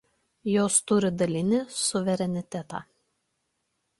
Jos turi dalinį suverenitetą.